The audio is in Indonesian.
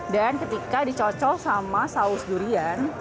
dan ketika dicocah sama saus durian